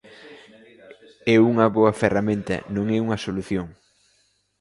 É unha boa ferramenta, non é unha solución.